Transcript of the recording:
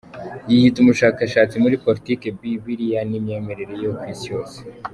Yiyita umushakashatsi muri Politiki, Bibiliya n’imyemerere yo ku Isi yose.